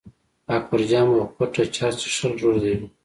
اکبرجان به په پټه چرس څښل روږدي و.